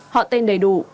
họ tên đầy đủ